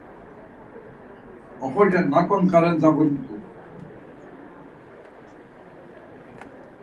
Oxorca, noǩo ndğaren zabuni t̆u.